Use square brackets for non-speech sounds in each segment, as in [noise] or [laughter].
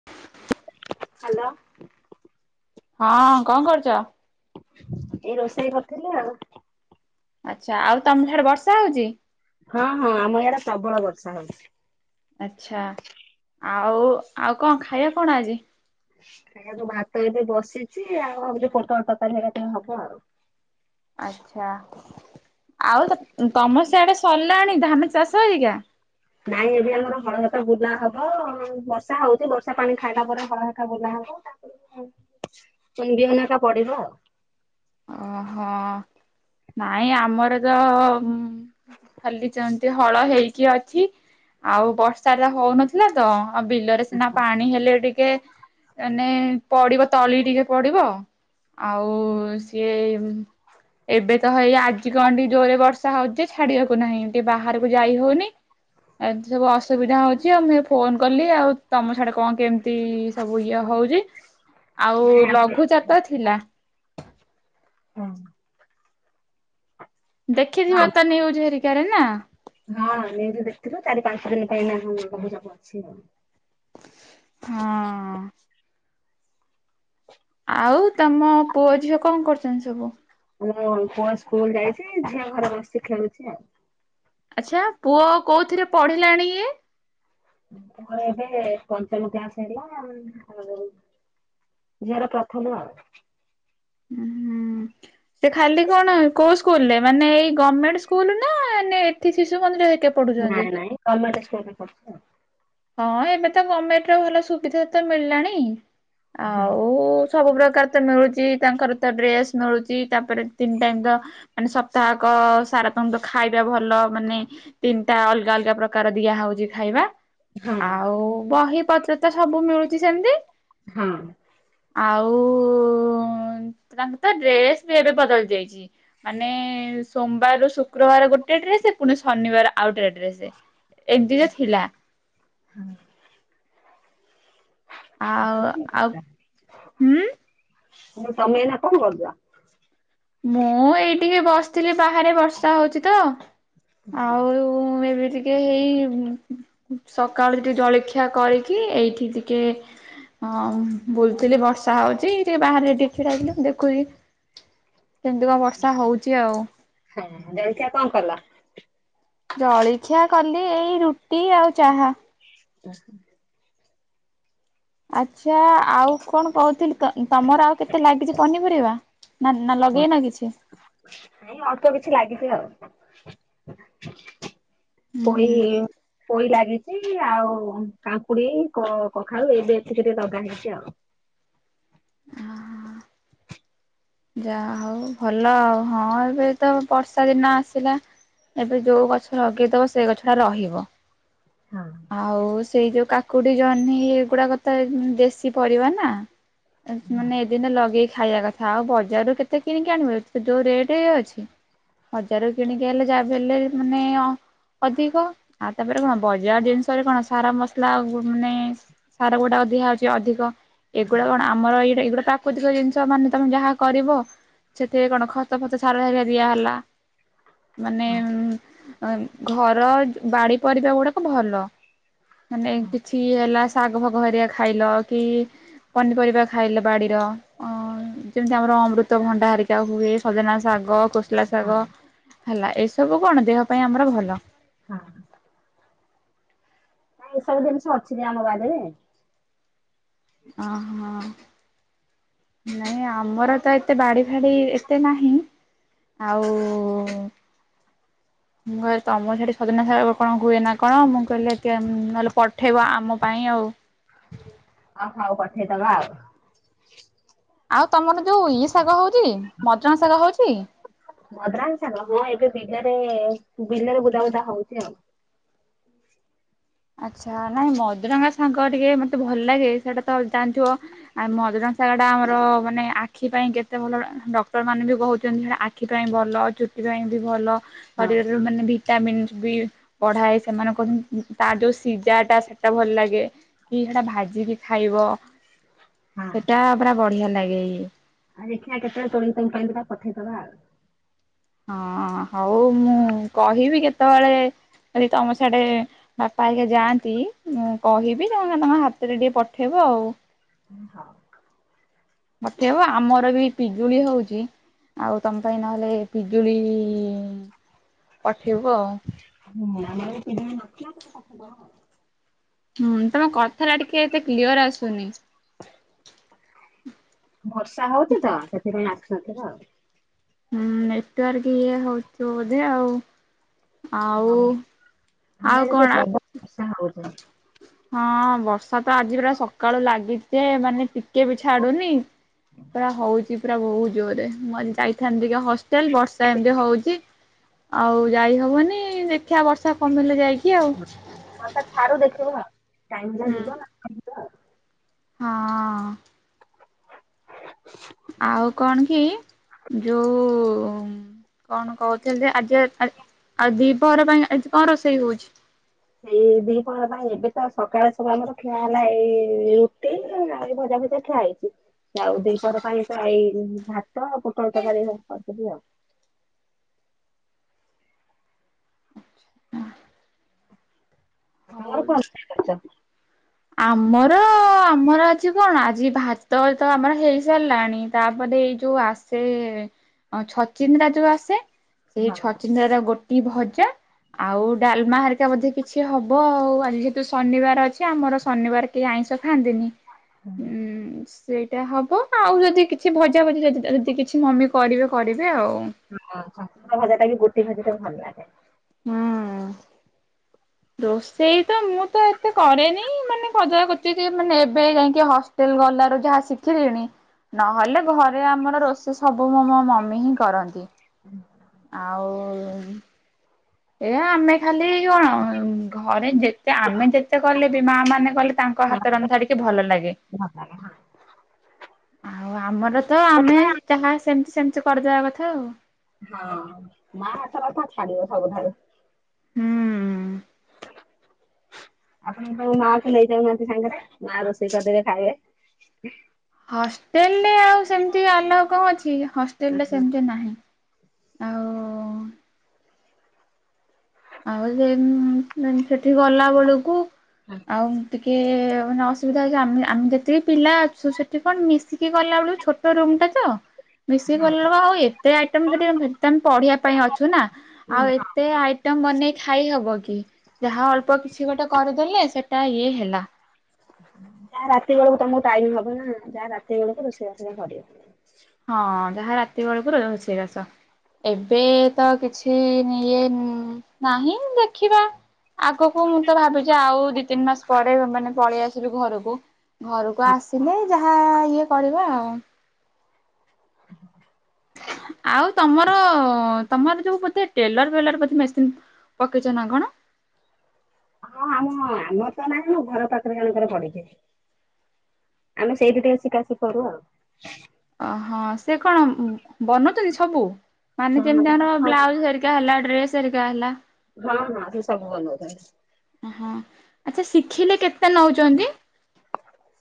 [inaudible] Hello. ହଁ କଣ କରୁଚ଼? ଏଇ ରୋଷେଇ କରୁଥିଲି ଆଉ। ଆଚ୍ଛା ଆଉ ତମର ଆଡେ ବର୍ଷା ହଉଛି? ହଁ ହଁ ଆମ ଆଡ଼େ ପ୍ରବଳ ବର୍ଷା ହଉଛି। ଆଛା ଆଉ ଆଉ କଣ ଖାଇବା କଣ ଆଜି ଯୋଉ ଭାତ ଏବେ ବସିଛି ଆଉ ଯୋ ପୋଟଳ ତରକାରି ହେରିକା ଟିକେ ହବ ଆଉ। ଆଚଛା ଆଉ ତମ ସେ ଆଡେ ସରିଲାଣି ଧାନ ଚାଷ ହେରିକା। ନାଇଁ ଏବେ ଆମର ହଳହକା ବୁଲା ହବ ବର୍ଷା ହଉଛି ବର୍ଷା ପାଣି ଖାଇଲା ପରେ ହଳହେକା ବୁଲା ହବ। [inaudible] ତୁଣ୍ଡିଅନା ଟା ପଡିବ ଆଉ ହଁ ନାଇଁ ଆମର ତ ଖାଲି ଯେମତି ହଳ ହେଇକି ଅଛି। ଆଉ ବର୍ଷା ଯା ହଉନଥିଲା ତ ଆଉ ବିଲରେ ସିନା ପାଣି ହେଲେ ଟିକେ ମାନେ ପଡିବ ତଳି ଟିକେ ପଡିବ ଆଉ ସିଏ ଏବେ ତ ହେଇ ଆଜି କଣ ଟିକେ ଜୋରେ ବର୍ଷା ହଉଚି ଛାଡିବାକୁ ନାହିଁ ଟିକେ ବାହାରକୁ ଯାଇ ହଉନି। ଏଠି ତ ବସ୍‌ସୁବିଧା ହଉଚି ଆଉ ମୁଁ ଫୋନ କଲି ଆଉ। ତମ ସାଡେ କଣ କେମିତି ସବୁ ଇଏ ହଉଚି ଆଉ ନାଇଁ ଆଜି ଲଘୁଚାପ୍ ତ ଥିଲା। ହଁ। ଦେଖିଥିବ ତ ନ୍ୟୁଜ ହେରିକାରେ ନା। ହଁ ନିଉଜ ଦେଖଥିଲୁ ଚାରି ପାଞ୍ଚ ଦିନ ପାଇଁ ଏଇନା ଲଘୁଚାପ ଅଛି। ହଁ। ଆଉ ତମ ପୁଅ ଝିଅ କଣ କରୁଚ଼ନ୍ତି ସବୁ। ମୁଁ ପୁଅ ସ୍କୁଲ ଯାଇଛି ଝିଅ ଘରେ ବସି ଖେଳୁଛି ଆଉ। ଆଚ୍ଛା ପୁଅ କୋଉଥିରେ ପଢିଲାଣି ଇଏ। ମୋର ଏବେ ପଞ୍ଚମ କ୍ଲାସ ହେଲା ଆଉ ଝିଆ ପ୍ରଥମ ଆଉ। ହୁଁ ସେ ଖାଲି କଣ କୋଉ ସ୍କୁଲରେ ମାନେ ଏଇ ଗଭର୍ଣ୍ଣମେଣ୍ଟ ସ୍କୁଲ ନା ଏଠି ଶିଶୁ ମନ୍ଦିର କେ ନାଇଁ ନାଇଁ ଗମେଣ୍ଟ ସ୍କୁଲରେ ପଢୁଛି ଆଉ ହଁ ଏବେ ତ ଗଭର୍ଣମେଣ୍ଟ ର ଭଲ ସୁବିଧା ତ ମିଳିଲାଣି ଆଉ ସବୁ ପ୍ରକାର ତ ମିଳୁଚି ତାଙ୍କର ତ ଡ୍ରେସ୍ ମିଳୁଚି ତାପରେ ତିନି ଟାଇମତ ମାନେ ସପ୍ତାହକ ସାରା ତନ୍ତ ଖାଇବା ଭଲ ମାନେ ତିନିଟା ଅଲଗା ଅଲଗା ପ୍ରକାର ଦିଆ ହଉଚି ଖାଇବା। ହଁ ଆଉ ବହି ପତ୍ର ତ ସବୁ ମିଳୁଚି ସେମିତି। ହଁ ଆଉ ତାଙ୍କର ତ ଡ୍ରେସ ବି ଏବେ ବଦଳି ଯାଇଚି। ମାନେ ସୋମବାରରୁ ଶୁକ୍ରବାର ଗୋଟେ ଡ୍ରେସ ପୁଣି ଶନିବାର ଆଉ ଗୋଟେ ଡ୍ରେସ। ଏ ଦିଇଟା ଥିଲା। ହଁ। ମୁଁ ଆଉ କହିଲି ଆଉ ହୁଁ ତମେ ଏଇନା କଅଁ କରୁଚ଼। ମୁଁ ଏଇଠିକିେ ବସିଥିଲି ବାହାରେ ବର୍ଷା ହଉଛି ତ ହଁ ଆଉ ମୁଁ ଏବେ ଟିକେ ହେଇ ସକାଳୁ ଟିକେ ଜଳଖିଆ କରିକି ଏଇଠି ଟିକେ ହଁ ବୁଲୁଥିଲି ବର୍ଷା ହଉଚ ଟିକେ ବାହାରେ ଟିକ ଛିଡି ମୁଁ ଦେଖୁଛିି। କେମିତି କଣ ବର୍ଷା ହଉଛି ଆଉ। ହଁ ଜଳଖିଆ କଣ କଲ। ଜଳଖିଆ କଲିି ଏଇ ରୁଟି ଆଉ ଚାହା। [unintelligible] ଆଚ୍ଛା ଆଉ କଣ କହୁଥିଲି ତମର ଆଉ କେତେ ଲାଗିଛି ପନିପରିବା। ନା ନା ଲଗେଇ ନା କିଛି। ନାଇଁ ଅଳପ କିଛି ଲାଗିଛି ଆଉ। ହୁଁ ପୋଇ ପୋଇ ଲାଗି ସେଇ ଆଉ କାଙ୍କୁଡି କଖାଳୁ ଏବେ ଏତିକ ଟ ଲଗା ହେଇଛି ଆଉ। [unintelligible] ଯା ହଉ ଭଲ ଆଉ ହଁ ଏବେ ତ ବର୍ଷା ଦିନ ଆସିଲା। ଏବେ ଯୋଉ ଗଛ ଲଗେଇଦବ ସେ ଗଛ ଟା ରହିବ। ହଁ। ଆଉ ସେଇ ଯୋଉ କାକୁଡି ଜହ୍ନି ଏଗୁଡାକତ ଦେଶୀ ପରିବା ନା ମାନେ ଏ ଦିନ ଲଗେଇ ଖାଇବା କଥା ଆଉ ବଜାର ରୁ କେତେ କିଣିକି ଆଣିବ ଏବେ ତ ଯୋଉ ରେଟ୍ ଇଏ ଅଛି। ବଜାରରୁ କିଣିକି ହେଲେ ଯାହାବି ହେଲେ ମାନେ ଅଧିକ। ଆଉ ତାପରେ କଣ ବ ଜିନିଷରେ କଣ ସାର ମସଲା ମାନେ ସାର ଗୁଡାକ ଦିଆ ହଉଚି ଅଧିକ। ଏଗୁଡା କଣ ଆମର ଏଇଟା ଏଇଗୁଡା ପ୍ରାକୃତିକ ଜିନିଷ ମାନେ ତମେ ଯାହା କରିବ ସେଥିରେ କଣ ଖତ ଫତ ସାର ହରିଆ ଦିଆ ହେଲା। ମାନେ ହଁ ଉମ ଏ ଘର ବାଡି ପରିବା ଗୁଡାକ ଭଲ। ମାନେ ହଁ କିଛି କି ହେଲା ଶାଗ ଫାଗ ହେରିଆ ଖାଇଲ କି ପନିପରିବା ଖାଇଲ ବାଡ଼ିର ଅ ଯେମିତି ଆମର ଅମୃତ ଭଣ୍ଡା ହାରିକା ହୁଏ ସଜନା ଶାଗ କୋ ଶଳା ହଁ ଶାଗ ହେଲା ଏ ସବୁ କଣ ଦେହ ପାଇଁ ଆମର ଭଲ ହଁ। ନାଇଁ ଏସବୁ ଜିନିଷ ଅଛି ଜେ ଆମ ବାଡିରେ। ଓହୋ ନାଇଁ ଆମର ତ ଏତେ ବାଡି ଫାଡି ଏତେ ନାହିଁ। ଆଉ ମୁଁ ଭାବ ତମ ସେଠି ସଜନା ଶାଗ କଣ ହୁଏ ନା କଣ ମୁଁ କହିଲି ଏତିଏ ଉମ ନଲେ ପଠେଇବ ଆମ ପାଇଁ ଆଉ। ଓ ହଉ ପଠେଇଦବା ଆଉ। ଆଉ ତମର ଯୋଉ ଇଏ ଶାଗ ହଉଚି ମଦ୍ରଙ୍ଗ ଶାଗ ହଉଚି? ମଦ୍ରାଙ୍ଗ ଶାଗ ହୁଏ ଏବେ ବିଲରେ ବିଲରେ ବୁଦା ବୁଦା ହଉଚି ଆଉ। ଆଚ୍ଛା ନାଇଁ ମଦରଙ୍ଗା ସାଙ୍ଗ ଟିକେ ମତେ ଭଲ ଲାଗେ ସେଇଟା ତ ଜାଣିଥିବ ଆ ମଦୁରଙ୍ଗ ସାଗର ଟା ଆମର ମାନେ ଆଖି ପାଇଁ କେତେ ଭଲ ଡକ୍ଟର ମାନେ ବି କହୁଚନ୍ତି ସେଟା ଆ ଆଖି ପାଇଁ ଭଲ ଚୁଟି ପାଇଁ ବି ଭଲ। ହଁ ଶରୀରରେ ମାନେ ଭିଟାମିନ୍ ବି ବଢାଏ ସେମାନଙ୍କ ଉମ ତା ଯୋଉ ସିଝା ଟା ସେଟା ଭଲ ଲାଗେ କି ହେଟା ଭାଜିକି ଖାଇବ। ହଁ ସେଟା ପୁରା ବଢିଆ ଲାଗେ ଇଏ। ଆଉ ଦେଖିଆ କେତେଳେ ତୋଳିକି ତମ ପାଇଁ ଦିଟା ପଠେଇଦବା ଆଉ। ହଁ ହଉ ମୁଁ କହିବି କେତେବେଳେ ଖଲି ତମ ସାଡେ ବାପା ହାଇକା ଯାଆନ୍ତି ମୁଁ କହିବି ତମେ ତାଙ୍କ ହାତରେ ଟିକେ ପଠେଇବ ଆଉ। ଉ ହଉ। ପଠେଇବ ବ ଆମର ବି ପିଜୁଳି ହଉଚି ଆଉ ତମ ପାଇଁ ନହେଲେ ପିଜୁଳି ପଠେଇବୁ ଆଉ। ହୁଁ ଆମର ଯଦି ପିଜୁଳି ନଥିବ ତାଲେ ପଠେଇଦବ ଆଉ। ହୁଁ ତମ କଥା ଟା ଟିକେ ଏତେ କ୍ଲିୟର ଆସୁନି। ବର୍ଷା ହଉଛି ତ ସେଥିପାଇଁ ଆସିୁନଥିବ ଆଉ। ହୁଁ ନେଟୱାର୍କ ଇଏ ହଉଥିବ ବୋଧେ ଆଉ। ଆଉ ହଁ, ଆମ ଆଉ ଇଆଡ଼େ ଟିକେ କଣ [unintelligible] ହଁ ବର୍ଷା ତ ଆଜି ପୁରା ସକାଳୁ ଲାଗିଚି ଜେ ମାନେ ଟି କେ ବି ଛାଡୁନି ପୁରା ହଉଚି ପୁରା ବହୁତ ଜୋରରେ ମୁଁ ଆଜି ଯାଇଥାନ୍ତି ଟିକେ ହ ଷ୍ଟେଲ ବର୍ଷା ଏମିତି ହଉଚି ଆଉ ଯାଇ ହବନି ଦେଖିଆ ବର୍ଷା କମିଲେ ଯାଇକି ଆଉ ବର୍ଷା ଛାଡୁ ଦେଖିବା ଟାଇମ ହେଲେ ହୁଁ ଯିବା ହଁ। ଆଉ କଣ କି ଯୋଉ କଣ କହୁଥିଲି ଜେ ଆଜି ଆ ଦିପହର ପାଇଁ ଆଜି ଦିପହର ପାଇଁ ଆଜି କଣ ରୋଷେଇ ହଉଚି? ସେଇ ଦି ପହର ପାଇଁ ଏବେ ତ ସକାଳେ ସବୁ ଆମର ଖିଆ ହେଲା ଏଇ ରୁଟି ଏଇ ଯାହା ହେଲେ ଭଜା ଫାଜା ଖିଆ ହେଇଚି ଆଉ ଦି ପଅର ପାଇଁ ତ ଏଇ ଭାତ ଆଉ ପୋଟଳ ତରକାରୀ ସବ କରିଦେବି ଆଉ। ହଉ [unintelligible] ଆମର ଆମର ଅଛି କଣ ଆଜି ଭାତ ତ ଆମର ହେଇ ସାରିଲାଣି। ତାପରେ ଏଇ ଯୋଉ ଆସେ ଛଚିନ୍ଦ୍ରା ଯୋଉ ଆସେ। ହଁ ସେଇ ହଁ। ଛଚିନ୍ଦ୍ରା ଗୋଟି ଭଜା। ଆଉ ଡାଲମା ହାରିକା ବୋଧେ କିଛି ହବ ଆଉ ଆଜି ତ ଶନିବାର ଅଛି ଆମର ଶନିବାର କେହି ଆଇଁଷ ଖାଆନ୍ତିନି ଉଁ ସେଇଟା ହବ ଆଉ ଯଦି କିଛି ଭଜା ଭଜି ଯଦି ତାର କିଛି ମମି କରିବେ କରିବେ ଆଉ। ଉଁ ହଁ ଛଚିନ୍ଦ୍ରା ଭଜାଟା ଗୋଟି ଭଜାଟା ଭଲ ଲାଗେ। ହୁଁ। ରୋଷେଇ ତ ମୁଁ ତ ଏତେ କରେନି ମାନେ ଭଜା କ ମାନେ ଏବେ ଯାଇଁକି ହଷ୍ଟେଲ ଗଲାରୁ ଯାହା ଶିଖିଲିଣି। ନହେଲେ ଘରେ ଆମର ରୋଷେଇ ସବୁ ମ ମୋ ମମି ହିଁ କରନ୍ତି। ହୁଁ। ଆଉ। ଏଆ ଆମେ ଖାଲି କଣ ଘରେ ଦେ ସେ ଆମେ ଯେତେ କଲେ ବି ମା ମାନେ କଲେ ତାଙ୍କ ହଁ, ହାତ ରନ୍ଧା ଟିକେ ଭଲ ଲାଗେ। ଆଉ ଆମର ତ ଆମେ ଯାହା ସେମିତି ସେମିତି କରିଦବା କଥା ଆଉ। ହଁ ମା ହାତ ରଥା ଛାଡିବ ସବୁଠାରୁ। ହୁଁ। ଆପଣଙ୍କ ରୁ ମାକୁ ନେଇ ଯାଉନାହାନ୍ତି ସାଙ୍ଗେରେ ମା ରୋଷେଇ କରିଦେବେ ଖାଇବେ। ହଷ୍ଟେଲ ରେ ଆଉ ସେମିତି ଆଲାଉ କଣ ଅଛି ହଷ୍ଟେଲରେ ସେମିତି ନାହିଁ। ଆଉ ଆଉ ସେ ସେଠି ଗଲା ବେଳକୁ ହା। ଆଉ ଟିକେ ମାନେ ଅସୁବିଧା ହେଉଛି ଆମେ ଆମେ ଯେତିକି ପିଲା ଅଛୁ ସେଠି କଣ ମିଶିକି ଗଲାବେଳୁ ଛୋଟ ଛୋଟ ରୁମ୍ ଟା ତ? ମିଶିକି କଲୁ ହଁ ଆଉ ଏତେ ଆଇଟମ୍ ସେଠି ତମେ ପଢିବା ପାଇଁ ଅଛୁ ନା ଆଉ ଏତେ ଆଇ ଟମ୍ ବନେଇ ଖାଇ ହବ କି ଯାହା ଅଳ୍ପ କିଛି ଗୋଟେ କରିଦେଲେ ସେଟା ଇଏ ହେଲା। ଯାହା ରାତି ବେଳକୁ ତମକୁ ଟାଇମ ହବ ନା ଯାହା ରାତି ବେଳକୁ ରୋଷେଇ ବାଷ କରିବ। ହଁ ଯାହା ରାତି ବେଳକୁ ରୋଷେଇ ବାସ ଏବେ ତ କିଛି ସେ ଇଏ ନାହିଁ ଦେଖିବା। ଆଗକୁ ମୁଁ ତ ଭାବିଛି ଆଉ ଦି ତିନି ମାସ ପରେ ମାନେ ପଳେଇ ଆସିବି ଘରକୁ। ଘରକୁ ଆସିଲେ ଯାହା ଇଏ କରିବା ଆଉ। [inaudible] ଆଉ ତମର ତମର ଯୋ ବୋଧେ ଟେଲର ଫେଲର ବୋଧ ମେସିନ୍‌। ପକେଇଛ ନା କଣ? ହଁ ଆମ ଆମର ତ ନାହିଁ ମୋ ଘର ପାଖରେ ଜଣଙ୍କର ପଡିଛି। ଆମେ ସେଇଠି ଟିକେ ଶିିକାସିିକି କରୁ ଆଉ। ଅହଁ ସେ କଣ ବନଉଛନ୍ତି ସବୁ। ମାନେ ହଁ ଯେମିତି ଆମର ହଁ ବ୍ଲାଉଜରିକା ହେଲା ଡ୍ରେସରିକା ହେଲା। ହଁ ହଁ ସେ ସବୁ ବନଉଛନ୍ତି। ହଁ ଆଛା ଶିଖିଲେ କେତେ ନଉଚନ୍ତି।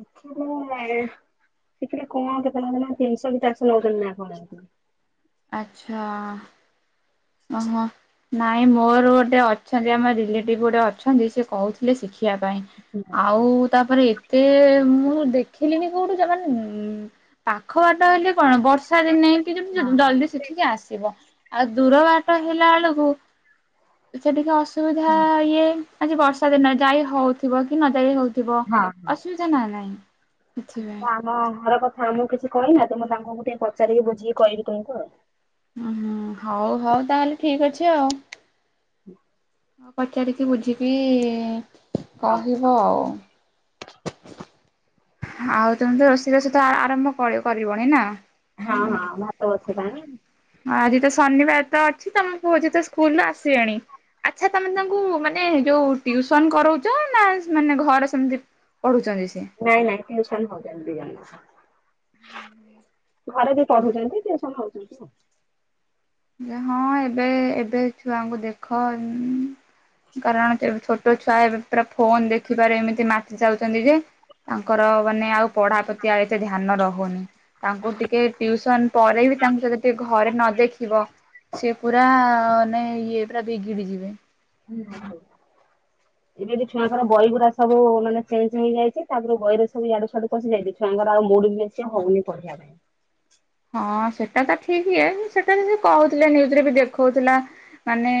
ଶିଖିଲେ ଶିଖିଲେ କଣ କେତେ ନେଉଚନି ତିନିଶହ କି ଚାରିଶହ ନଉଚନ୍ତି ନା କଣ। ଆଚ୍ଛା। ଅଁ ହଁ। ନାଇଁ ମୋର ଗୋଟେ ଅଛନ୍ତି ଆମ ରିଲେଟିଭ ଗୋଟେ ଅଛନ୍ତି ସେ କହୁଥିଲେ ଶିଖିବା ପାଇଁ। ହଁ ଆଉ ତାପରେ ଏତେ ମୁଁ ଦେଖିଲିନି କୋଉଠୁ ଯେ ମାନେ ଉ ପାଖ ବାଟ ହେଲେ କଣ ବର୍ଷା ଦିନେ କି ଜଲ୍ ଦି ଶିଖିକି ଆସିବ। ଆଉ ଦୂର ବାଟ ହେଲାଳକୁ ସେ ଟିକେ ଅସୁବିଧା ହଁ ଇଏ ଆଜି ବର୍ଷା ଦିନ ଯାଇ ହଉଥିବ କି ନ ଯାଇ ହଉ ଥିବ ହଁ। ଅସୁବିଧା ନା ନାହିଁ ସେଥିପାଇଁ ହଁ ଘର କଥା ଇଏ କିଛି କହିନା ତ ମୁଁ ତାଙ୍କୁ ଟୁକେ ପଚାରିକି ବୁଝିକି କହିବି କହିବି ଙ୍କୁ ଆଉ ହୁଁ ହଉ ହଉ ତାହେଲେ ଠିକ ଅଛି ଆଉ। ହୁଁ। ହଁ ପଚାରିକି ବୁଝିକି ହଁ କହିବ ଆଉ। ଆଉ ତମେ ତ ରୋଷେଇ ବାସ ତ ଆ ଆରମ୍ଭ କରି କରିବନି ନା। ହଁ ହଁ ଭାତ ବସେଇ ପାଣି ଆଜି ତ ଶନିବାର ତ ଅଛି ତମଁ କୁହୁଛି ତ ସ୍କୁଲୁ ଆସିବେଣି। ଆଚ୍ଛା ତମେ ତାଙ୍କୁ ମାନେ ଯୋଉ ଟ୍ୟୁସନ କରଉଛ ନା ସେମାନେ ଘରେ ସେମିତି ପଢୁଛନ୍ତି ସିଏ ନାଇଁ ନାଇଁ ଟ୍ୟୁସନ ହ [unintelligible] ଘରେ ବି ପଢୁଛନ୍ତି ଟ୍ୟୁସନ ହଉଛନ୍ତି। ହଁ। ଯା ହଁ ଏବେ ଏବେ ଛୁଆଙ୍କୁ ଦେଖ ଉଁ କାରଣ କେ ଛୋଟ ଛୋଟ ଛୁଆ ଏବେ ପୁରା ଫୋନ ଦେଖିବାରେ ଏମିତି ମାତି ଯାଉଛନ୍ତି ଯେ ତାଙ୍କର ମାନେ ଆଉ ପଢା ପ୍ରତି ଆଉ ଏତେ ଧ୍ୟାନ ରହୁନି। ତାଙ୍କୁ ଟିକେ ଟ୍ୟଉସନ ପରେ ବି ତାଙ୍କୁ ଯଦି ଟିକେ ଘରେ ନ ଦେଖି ଥିବ। ସେ ପୁରା ମାନେ ଇଏ ପୁରା ବିଗିଡି ଯିବେ। ହୁଁ। ହ ଏବେ ବି ଛୁଆଙ୍କର ବହି ଗୁଡା ସବୁ ମାନେ ଚେଞ୍ଜ ହେଇଯାଇଛି। ତାପରୁ ବହିରେ ସବୁ ଇଆଡୁ ସିଆଡୁ ପଶି ଯାଇଛି ଛୁଆଙ୍କର ଆଉ ମୁଡ଼ ବ ସେ ହଉନି ପଢିବା ପାଇଁ। ହଁ ସେଟା ତ ଠିକ ଇଏ ଯେ ସେଟା ଯଦି କହୁଥିଲେ ନ୍ୟୁଜରେ ବି ଦେଖଉଥିଲା। ମାନେ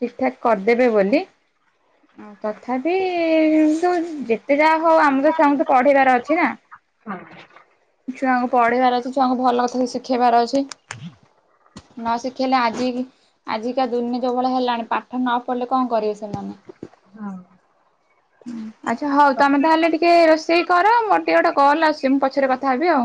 ଠିକ ଠାକ କରିଦେବେ ବୋଲି। ଆ ତଥାପି ଏ ଯେତେ ଯାହା ହଉ ଆମ ତ ସାଙ୍ଗ ତ ପଢେଇବାର ଅଛି ନା। ହଁ। ଛୁଆଙ୍କୁ ପଢେଇବାର ଅଛି, ଛୁଆଙ୍କୁ ଭଲ କଥା ଶିଖେଇବାର ଅଛି। ନ ଶିଖେଇଲେ ଆଜି କି ଆଜିକା ଦୁନି ଯୋଭଳିଆ ହେଲାଣି ପାଠ ନ ପଢିଲେ କଣ କରିବେ ସେମାନେ? ହଁ। ଉଁ। ଆଚ୍ଛା ହଉ ତମେ ତାହେଲେ ଟିକେ ରୋଷେଇ କର ମୋର ଟିକେ ଗୋଟେ କଲ୍ ଆସଛି ମୁଁ ପଛରେ କଥା ହେବି ଆଉ।